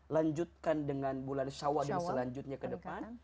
lanjutkan dengan bulan syawal dan selanjutnya ke depan